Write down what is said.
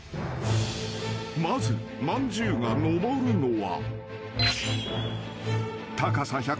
［まずまんじゅうが上るのは］